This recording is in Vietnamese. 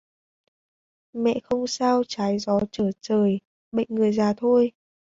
Mẹ không sao trái gió Trở trời bệnh người gìa thôi